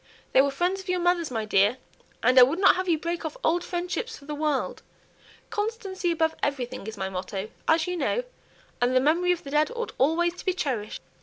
They were friends of your mother's, my dear, and I would not have you break off old friendships for the world. 'Constancy above everything' is my motto, as you know, and the memory of the dead ought always to be cherished."